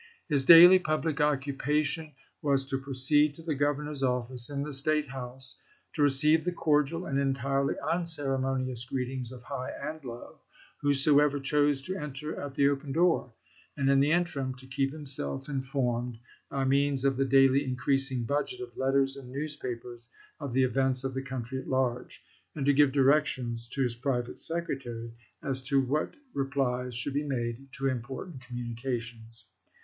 His daily public occupation was to proceed to the Governor's office in the State house, to receive the cordial and entirely un ceremonious greetings of high and low, — whoso ever chose to enter at the open door, — and in the interim to keep himself informed, by means of the daily increasing budget of letters and newspapers, of the events of the country at large, and to give directions to his private secretary as to what re plies should be made to important communications.